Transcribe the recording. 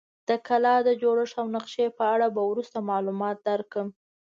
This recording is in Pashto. د کلا د جوړښت او نقشې په اړه به وروسته معلومات درکړم.